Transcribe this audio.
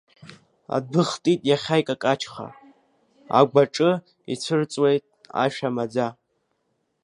Адәы хтит иахьа икакаҷха, Агәаҿы ицәырҵуеит ашәа маӡа.